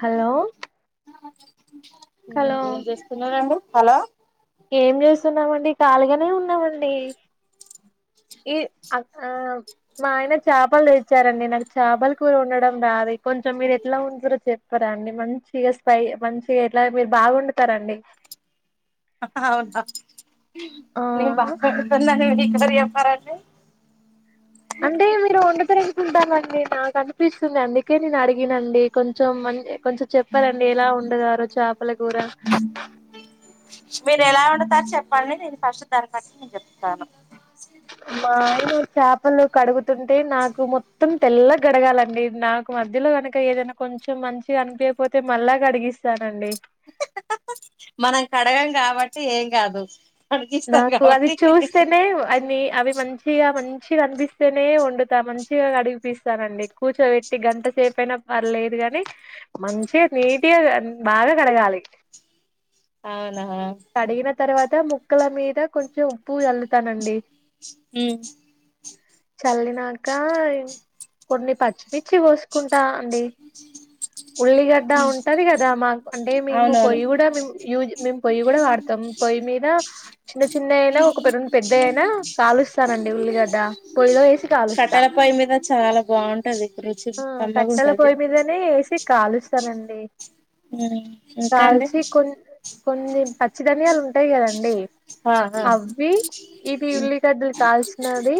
Hello hello మ్ ఏం చేస్తున్నరండి హలో ఏం చేస్తున్నమండి ఖాళీగనే ఉన్నమండి ఈ అక్కా మా ఆయన చాపలు తెచ్చారండి నాకు చాపల కూర వండడం రాదె కొంచెం మీరు ఎట్ల వండుతరో చెప్పారా అండి మంచిగా స్పై మంచిగ ఎట్ల మీరు బాగోండుతరండి అవునా ఆ నెను బాగోండుతనని మీకెవరు చెప్పారండి అంటే మీరు వండుతరనీ టానండి నాకు అనిపిస్తుంది అందుకే నేను అడిగినండి కొంచెం మం కొంచెం చెప్పారండి ఎలా వండుతారో చాపల కూర మీరు ఎలా వండుతారు చెప్పండి నేను ఫస్ట్ దాన్ని బట్టి నేను చెప్తాను మా ఆయన చాపలు కడుగుతుంటే నాకు మొత్తం తెల్లగా కడగాలండి నాకు మధ్యలో గనుక ఏదైన కొంచెం మంచిగా అనిపియపోతే మళ్ళా కడిగిస్తానండి మనం కడగం కబట్టి ఏం గాదు నాకు అది చూస్తేనే అవి అవి మంచి మంచిగా మంచిగా కనిపిస్తేనే వండుతా మంచిగా కడిగిపిస్తానండి కూర్చోబట్ గంటసేపు అయినా పర్లేదు గాని మంచిగా నీటిగా బాగా కడగాలి అవునా కడిగిన తర్వాత ముక్కల మీద కొంచెం ఉప్పు చల్లుతానండి చల్లినాక కొన్ని పచ్చిమిర్చి కోసుకుంటా అండి ఉల్లిగడ్డ ఉంటది కదా మాకు అంటే మేము అవునవును పొయ్యి కూడా మేమ్ యూస్ పొయ్యి కూడా వాడతాం పొయ్యి మీద చిన్న చిన్న అయినా ఒక [inaudible] పెద్దగా అయినా కాలుస్తానండి ఉల్లిగడ్డ పొయ్యిలో వేసి కాలుస్తా కట్టలపొయ్యి మీద చాలా బాగుంటది రుచి ఆ కట్టెల కమ్మగుంటది పొయ్యి మీదనే వేసి కాలుస్తానండి ఇంకా అండి కాల్సి కొన్ని కొన్ని పచ్చి ధనియాలు ఉంటాయి కద అండి ఆహా అవి ఇది ఉల్లిగడ్డలు కాల్చినది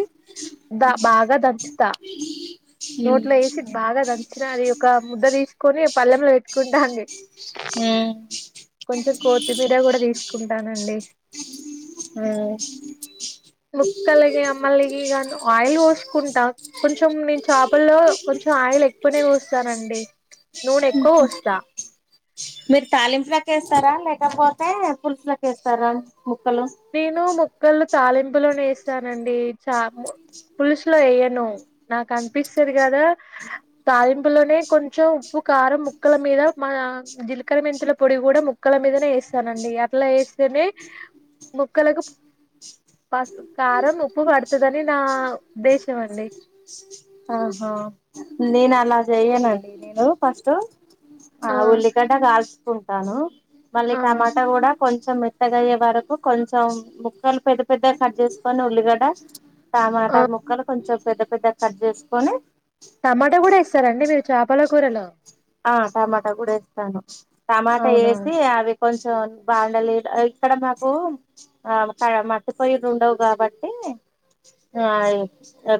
దా బాగా దంచుతా లో ఉమ్ వేసి బాగా దంచిన అది ఒక ముద్ద తీసుకొని పల్లెంలో పెట్టుకుంటాండి ఉమ్ కొంచెం కొత్తిమీర కూడా తీసుకుంటానండి ఆ ముక్కలకి మమ్మలకి ఇగా ఆయిల్ పోసుకుంటా కొంచెం నేను చేపల్లో కొంచెం ఆయిల్ ఎక్కువనే పోస్తానండి నూనె ఎక్కువ ఉహు పోస్తా మీరు తాలింపులకేస్తారా లేకపోతే పులుసులకి వేస్తారా ముక్కలు నేను ముక్కలు తాలింపులోనే వేస్తానండి చాము పులుసులో వేయ్యను నాకు అనిపిస్తది కదా తాలింపులోనే కొంచెం ఉప్పు కారం ముక్కల మీద మా జీలకర మెంతుల పొడి కూడా ము క్కల మీదనే వేస్తానండి అట్లా వేస్తేనే ముక్కలకు పసు కారం ఉప్పు పడుతుందని నా ఉద్దేశం అండి ఆహా నేను అలా చెయనండి నేను ఫస్ట్ ఆ ఉల్లిగడ్డ కాల్చుకుంటాను మళ్ళీ ఆ టమాటా కూడా కొంచెం మెత్తగయ్యే వరకు కొంచెం ముక్కలు పెద్ద పెద్ద కట్ గ చేసుకొని ఉల్లిగడ్డ ఆ టమాటా ముక్కలు కొంచెం పెద్ద పెద్దగ కట్ చేసుకొని టమాటో కూడా వేస్తారండి మీరు చేపల కూరలో ఆ టమాటా కూడా వేస్తాను టమాటా అవునా వేసి అవి కొంచెం బాగుండాలెడ్ ఇక్కడ మాకు ఆ మకాడ మట్టి పొయ్యిలు ఉండవు కాబట్టి ఆ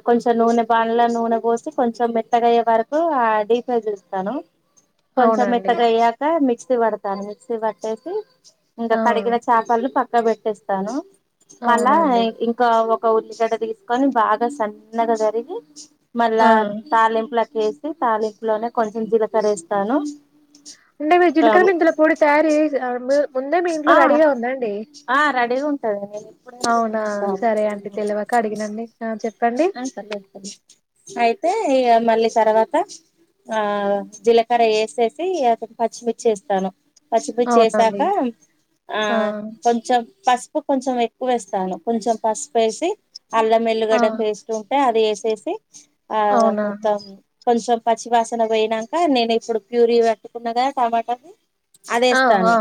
కొంచెం నూనె పా ల నూనె పోసి కొంచెం మెత్తగాయే వరకు ఆ ద్ డి ఫ్రై చేస్తాను కొంచెం అవునండి. మెత్తగా అయ్యాక మిక్సీ పడతాను మిక్సీ పట్టేసి ఇంకా ఆ! కడిగిన చా పళు పక్కకు పెట్టేస్తాను మళ్ళా అవునండి. ఇం ఒక ఉల్లిగడ్డ తీసుకొని బాగా సన్నగా తరిగి మళ్ళా ఆ! తాలింపుల చేసి తాలింపులోనే కొంచెం జీలకర వేస్తాను అంటే మీరు జీలకర మెంతుల పొడి తయారు చేసి ఆ ముందే మీ ఇంట్లో ఆ రెడీగా ఉంద అండి ఆ రెడీగా ఉంటదండి అవునా సరే అండి తెలియక అడిగినండి ఆ చెప్ ఆ పర్లేదు పర్లేదు అయితే ఇగా మళ్ళీ తర్వాత ఆ జీలకర్ర వేసేసి అ తర్వాత పచ్చిమిర్చి వేసేస్తాను పసుపు అవునండి. చేసాక ఆ కొన్ చెం పసుపు కొంచెం ఎక్కువేస్తాను కొంచెం పసుపేషీ అల్లం ఆ! ఎల్లిగడ్డ కుంట అది ఏసేసి ఆ అవునా! మొత్తం కొంచెం పచ్చివాసన పోయినాక నేను ఇప్పుడు ప్యూరీ వట్టుకున్నాగ టమాటది ఆ! అదేస్తాను ఆ!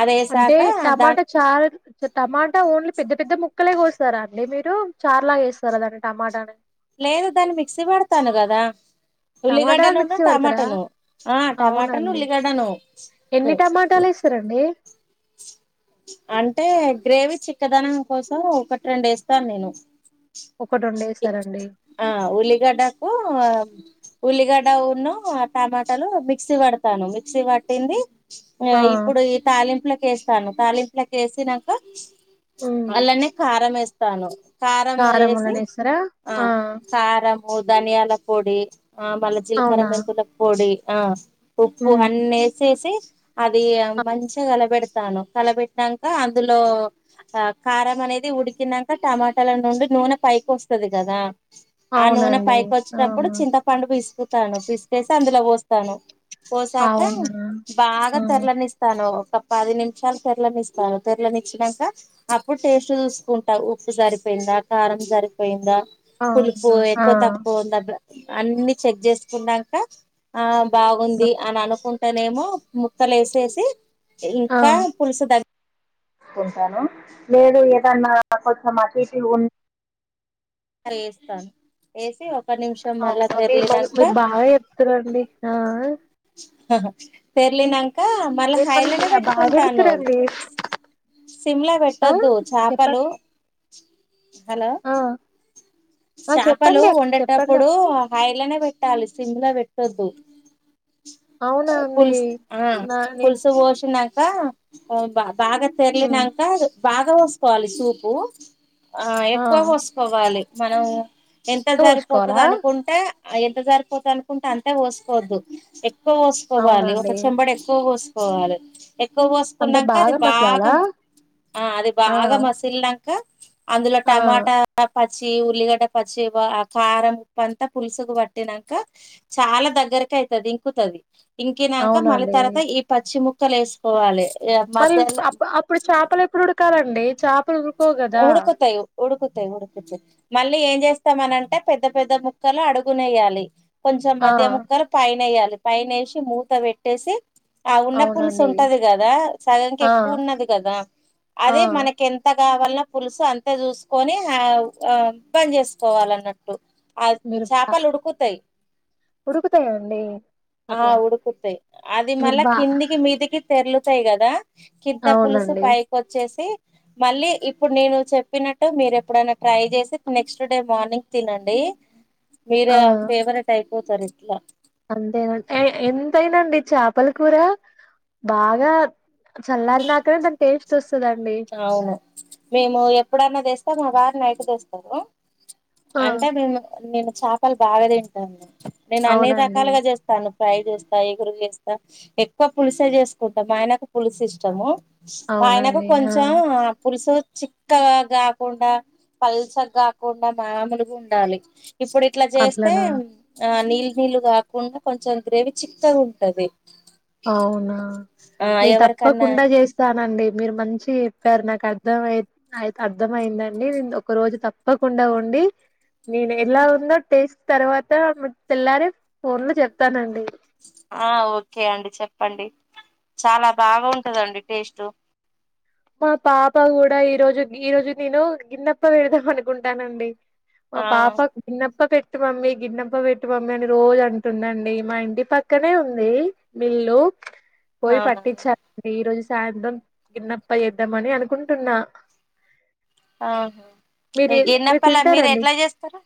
అదేసాక దాన్ చార్ అచ టమాటా ఓన్లీ పెద్ద పెద్ద ముక్కలే కోసారా అండి మీరు చార్లగేసారా దాన్ని టమాటని లేదు దాన్ని మిక్సీ పడతాను కదా ఉల్లిగడ్డ టమాటాలను నున్ను మిక్సీ పడతారా? టమాటను ఆ టమాటను అవునండి. ఉల్లిగడ్డను సరండీ అంటే గ్రేవీ చిక్కదనం కోసం ఒకటి రెండు ఏస్తాను నేను ఒక రెండేస్తరండి ఆ ఉళ్ళి గడ్డకు ఆ ఉల్లిగడ్డ ఉన్ను టమాటాలు మిక్సీ పడతాను మిక్సీ పట్టింది ఆ ఇప్పుడు ఈ తాలింపులకేస్తాను తాలింపులకేసినంకా హ్మ్. అల్లనే కారం ఏస్తాను కారం ఏసి ఆ కారము ధన్యాల పొడి మళ్ళా జీలకర అవునా మెంత్తుల పొడి ఆ ఉప్పు ఉమ్ అన్నెసేసి అదీ అ మంచిగా కలపెడ్ తాను కలపెట్నాకా అందులో ఆ కారం అనేది ఉడికినంక టమాటాల నుండి నూనె పైకోస్తది కదా ఆ నూనె అవునండి పైకొచ్చేటప్పుడు అవునా చింతపండు పిస్కుతాను పిసికేసి అందులో పోస్తాను పోసాకా అవునా బాగా ఆ తెల్లనిస్తాను ఒక పది నిమిషాలు తెర్లనిస్తారు తెర్లనిచ్చినాక అప్పుడు టేస్ట్ జూసుకుంటా ఉప్పు సరిపోయిందా కారం సరిపోయిందా పులుపు అవునా ఆ ఎక్కువ తక్కువ ఉంద అన్ని చెక్ జేసుకున్నంక ఆహ్ బాగుంది అని అనుకుంటేనేమో ముక్కలేసేసి ఆ ఇంక్కా పులుసు దగ్ కుంటాను లేదు ఏదన్నా కొంచెం అటు ఇటు ఉన్ ఏస్తాను ఏసి ఒక నిమిషం మళ్ళా అవునా మీర్ మరి తెరిలినాక మీరు బాగా జెప్తారండి ఆ ఆ తెర్లినంకా మళ్ళీ మీరు హైలనే మంచిగా బాగా పెట్టుకుంటాను ఎడుతురండి సిమ్లా ఆ వేట్టొద్దు చాపలు చెప్పండి హలో ఆ ఆ చాపలు చెప్పండి చెప్పండి వండేటప్పుడు హై లనే పెట్టాలి సిమ్ లో పెట్టొద్దు అవునా అండి పుల్స్ ఆ నా నేను పుల్సు వోషీనంక్ కా ఆహ్ బా బాగా ఉమ్ తెర్లినంక బాగా పోసుకోవాలి సూపు ఆహ్ ఆ ఎక్కువ వోస్కోవాలి మనం ఎంత ఉడక జరిపోతది పోసుకోవాలా అనుకున్ టె ఎంత సరిపోతది అనుకుంటే అంతా పోసుకోవద్దు ఎక్ ఎక్కువ వోస్కోవాలి ఒక అవునండి చెంబెడు ఎక్కువ వోస్కోవాలె ఎక్కువ అంటే వోస్కునంక అది బాగా మసలాలా ఆ అది ఆ బాగా మసిలినాక అందులో ఆ టమాటా ప పచ్చి ఉల్లిగడ్డ పచ్చి ఆ కారం ఉప్పు అంతా పులుసుకు వట్టినాక చాలా దగ్గరకైతది ఇంకుతది ఇంకినంక మళ్ళీ అవునండి తర్వాత ఈ పచ్చి ముక్కలు వేసుకోవాలె ఇగ మధ్యలో ఇప్పుడు చాపలేప్పుడు ఉడకాలండి చేపలు ఉడుకోవు కదా ఊడుకుతయి ఉడుకుతాయి ఉడుకుతాయి మళ్ళీ ఏం జేస్తామనంటే పెద్ద పెద్ద ముక్కలు అడుగునేయాలి కొంచెం ఆ మధ్య ముక్కలు పైనెయాలి పైనేషి మూత పెట్టేసి ఆ ఉన్న పులుసు అవునండి ఉంటది గదా సగంకి ఆ ఎక్కువ ఉన్నది గదా ఆ అది కెంత గావలన పులుసు అంతా చూసుకొని ఆహ్ ఆహ్ బంజెసుకోవాల అన్నట్టు ఆ చాపలు ఉడుకుతయ్ ఉడుకుతయండి ఆ ఉడుకుతయ్ అది మళ్ళ బా కిందికి మీదికి తెర్లుతయ్ గదా కింద పులుసు అవునండి పైకొచ్చేసి మళ్ళీ ఇప్పుడు నేను చెప్పినట్టు మీరెప్పుడైనా ట్రై జేసి నెక్స్ట్ డే మార్నింగ్ తినండి మీర ఆ ఫేవరెట్ అయిపోతరిట్లా అంతేనండి ఎంథైనండి చాపల కూర బాగా చల్లారినాక నే దాని టేస్ట్ ఒస్తదండి అవును మేము ఎపుడైనా తెస్తే మా వారు నైట్ తెస్తారు ఆ అంటే మేము నేను చాపలు బాగా దింటాండి నేనన్ని అవునండి రకాలుగా జేస్తాను ఫ్రై జేస్తా ఇగురు జేస్తా ఎక్కువ పులుసే జేస్కుంటాం మాయనకు పులుసు ఇష్టము మాయనకు అవునండి ఆ కొంచెం పులుసు చిక్కగా గాకుండా పల్సగ్ గాకుండా మామూలుగుండాలి ఇప్పుడు ఇట్ల జేస్తే అట్లనా ఆ నీళ్ళు నీళ్ళు గాకుండా కొంచెం గ్రేవీ చిక్కగుంటది అవునా నేను తప్పకుండా జేస్ స్తానండి మీరు మంచిగ జెప్పారు నాకు అర్థం అయి అయితే అర్థమైందండి నేను ఒక రోజు తప్పకుండ వొండి నేను ఎలా ఉందో టేస్ట్ తర్వాత మీక్ తెల్లారి ఫోన్లో జెప్తానండి ఆ ఓకే అండి చెప్పండి చాలా బాగుంటదండి టేస్ట్ మా పాప కూడా ఈరోజు ఈ రోజు నేను గిన్నెప్ప పెడదాం అనుకుంటానండి మా ఆ పాపకు గిన్నప్ప పెట్టు మమ్మీ గిన్నప్ప పెట్టు మమ్మీ అని రోజు అంటుందండి మా ఇంటి పక్కనే ఉంది మిల్లు పోయి అవునా పట్టిచ్చా రండి ఈరోజు సాయంత్రం గిన్నెప ప్పా చేద్దామని అనుకుంటున్నా ఆహా మీరు ప్చ్ మీరు గిన్నప్పల్ల తింటారండి మీరెట్లా చేస్తారు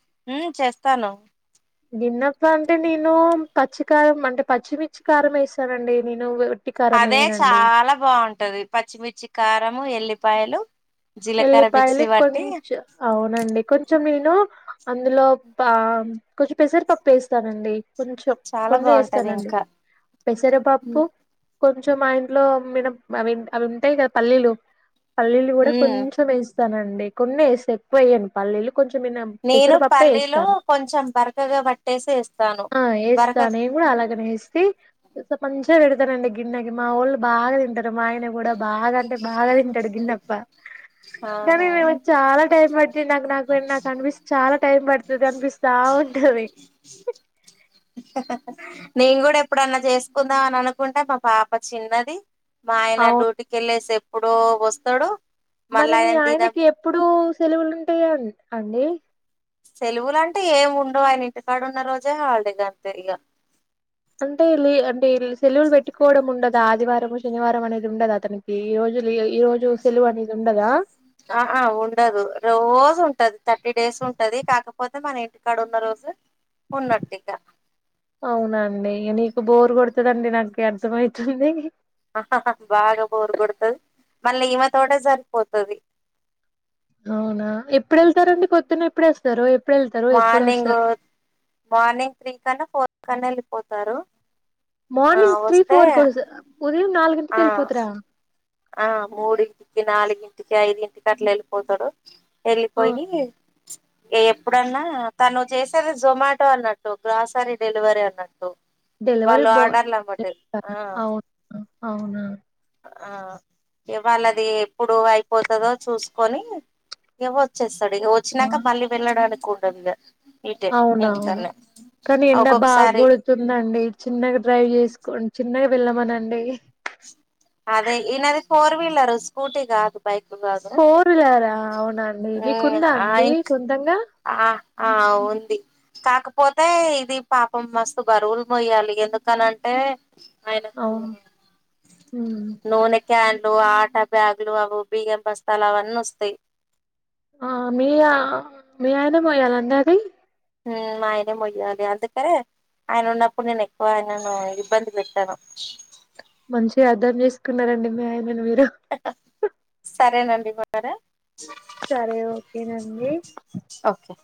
గిన్నప్పాంటే నేను పచ్చికారం అంటే పచ్చిమిర్చి కారం వేసానండి నేను కారం అదే వేయనండి చాలా బాగుంటది పచ్చిమిర్చి కారము ఎల్లిపాయలు జీలకర్ర ఎల్లిపాయలు మిక్సీ పట్టి కొంచం అవునండి కొంచెం నేను అందులో పా కొంచెం పెసరిపప్పు ఏస్తానండి కొంచెం చాలా కొన్ని బాగుంటది ఏస్తానండి ఇంకా పెసరపప్పు కొంచెం మా ఇంట్లో మినం అవి అవుంటాయి గదా పల్లీలు పల్లీలు కూడా ఉమ్ ఇస్తానండి కొన్నెస్తా ఎక్కువెయ్యను పల్లీలు కొంచం మీనం నేను పెసరపప్పే పల్లీలో ఏస్తాను కొంచెం బరకగా పట్టేసి ఏస్తాను బరక నేను గూడా అలాగనేేస్తి కోసేప్ మంచిగా పెడతారండి గిన్నెకి మా ఒళ్ళు బా దింటారు మా ఆయన గూడా బాగా అంటే బాగా తింటాడు గిన్నెప కానీ అవునా నాక్ చాలా టైం బట్టిందండి నాకు నాకన్పిస్ చాలా టైం పడతదా అనిపిస్తా ఉంటది నేను గూడా ఎప్పుడన్నా జేస్కుందాం అని అనుకుంటే మా పాప చిన్నది మా ఆయన అవును డ్యూటీ కెళ్లేసి ఎప్పుడో ఒస్తడు మరి మీ ఆయనకి ఎప్పుడూ సెలవులుంటాయి అండి సెలువులంటూ ఏముండవు ఆయన ఇంటికాడున్న రోజే హాల్డే గా అంతే ఇగా అంటే లి అంటే సెలవులు వెట్టుకోడం ఉండదా ఆదివారము శనివారం అనేది ఉండదా అతనికి ఈ రోజులు ఈ రోజు సెలువనేది ఉండదా ఆ ఆ ఉండదు రోజూంటది థర్టీ డేస్ ఉంటది కాకపోతే మన ఇంటికాడ ఉన్న రోజు ఉన్నట్టు ఇగ అవునాండి ఇగ నీకు బోరు గొడుతదండి నాకి అర్ధమైతుంది బాగా బోరుగోడుతది మళ్ళీ ఈమెతోటే జరిపోతది అవునా ఎప్పుడెళ్తారండి పొద్దున ఎప్పుడొస్తారు మార్నింగ్ మార్నింగ్ త్రీ కన్నా ఫోర్ కన్నా వెళ్ళిపోతారు ఆ మార్నింగ్ త్రీ వస్తే ఫోర్ క ఉదయం నాలగింటికి ఆ వేళ్లి పోతారా ఆ మూడింటికి నాలుగింటికి ఐదింటికి అట్లా వెళ్ళిపోతాడు ఆ వెళ్లిపోయి ఎప్పుడన్నా తను చేసేది జొమాటో అన్నట్టు గ్రాసరీ డెలివరీ అన్నట్టు డెలివరీ వాళ్ళు బాయ్ ఆర్డర్లు అమ్మటె ఆ అవును అవునా ఆ ఇగ వాళ్ళది ఎప్పుడు అయిపోతదో చూసుకొని ఇగ వచ్చేస్తాడు ఇగ ఆ! వచ్చినాక మళ్ళీ వెళ్ళడానికి ఉండదు ఇగా అవునవును కానీ ఎండా బాగ ఒక్కొక్కసారి కొడుతూ తుందండి చిన్నగా డ్రైవ్ చేసుకో చిన్నగా వెళ్ళమనండి అదే ఈనది ఫోర్ వీలరు స్కూటీ గాదు బైకు కాదా ఫోర్ వీలరా అవునండి అ మీకుందా ఆ అండి ఇక్ సొంతంగా ఆ ఆ ఉంది కాకపోతే ఇది పాపం మస్తు బరువులు మొయ్యాలి ఎందుకనంటే ఆ ఆయనకు ఉమ్ నూనె క్యాన్లు ఆటా బ్యాగులు అవి బియ్యం బస్తాలు అవన్నీ వస్తాయి ఆ మియా మీ ఆయన మోయాలండి అవి మా ఆయనే మొయ్యాలి అందుకరే ఆయన ఉన్నప్పుడు నేను ఎక్కువ ఆయనను ఇబ్బంది పెట్టాను మంచిగా అర్థం చేసుకున్నారండి మీ ఆయనను మీరు సరేనండి మా రా సరే ఓకేనండి ఓకే